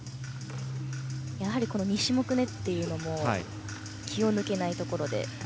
やはり２種目めというのも気を抜けないところで。